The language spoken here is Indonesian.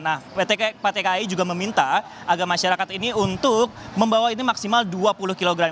nah pt kai juga meminta agar masyarakat ini untuk membawa ini maksimal dua puluh kg